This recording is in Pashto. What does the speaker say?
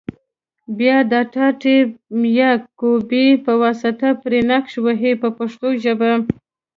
بیا د ټاټې یا کوبې په واسطه پرې نقش وهي په پښتو ژبه.